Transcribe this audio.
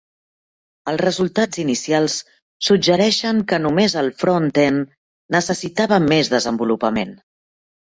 Els resultats inicials suggereixen que només el front-end necessitava més desenvolupament.